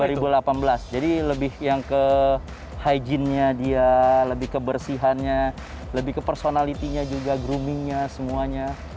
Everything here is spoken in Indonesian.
iso dua ratus enam belas jadi lebih yang ke hijinnya dia lebih ke kebersihannya lebih ke personality nya juga grooming nya semuanya